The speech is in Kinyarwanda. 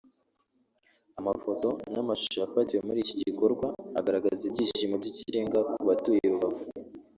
Amafoto n’amashusho yafatiwe muri iki gikorwa agaragaza ibyishimo by’ikirenga kubatuye I Rubavu